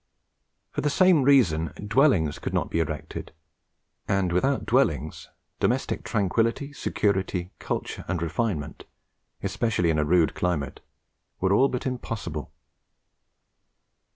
For the same reason, dwellings could not be erected; and without dwellings domestic tranquillity, security, culture, and refinement, especially in a rude climate, were all but impossible.